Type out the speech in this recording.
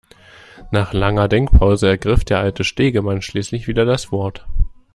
Nach langer Denkpause ergriff der alte Stegemann schließlich wieder das Wort.